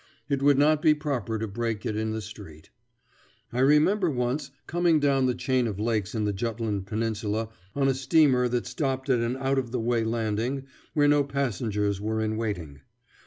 It would not be proper to break it in the street. I remember once coming down the chain of lakes in the Jutland peninsula on a steamer that stopped at an out of the way landing where no passengers were in waiting.